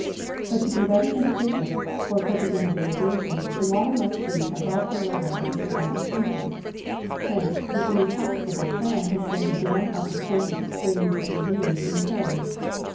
But to be ready and efficient, for purposes of irrigation, the water must be above the level of the surrounding country: hence, the only practicable plan has been to dam up the courses of streams and ravines in the hills.